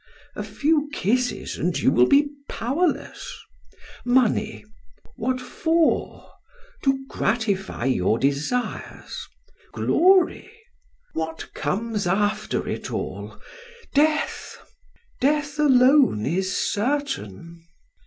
A few kisses and you will be powerless. Money? What for? To gratify your desires. Glory? What comes after it all? Death! Death alone is certain."